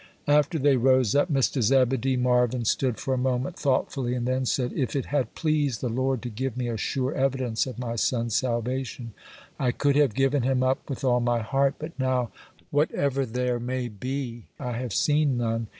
After they rose up, Mr. Zebedee Marvyn stood for a moment thoughtfully, and then said: 'If it had pleased the Lord to give me a sure evidence of my son's salvation, I could have given him up with all my heart; but now, whatever there may be, I have seen none.